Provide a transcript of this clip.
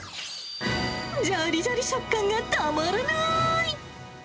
じゃりじゃり食感がたまらない。